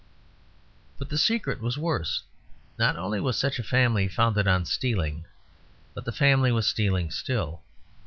But the secret was worse; not only was such a family founded on stealing, but the family was stealing still.